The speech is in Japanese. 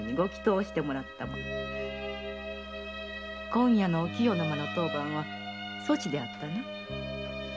今夜の御清の間の当番はそちであったな？